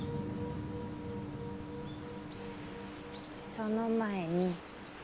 その前に。